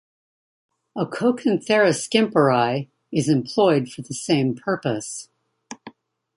"Acokanthera schimperi" is employed for the same purpose.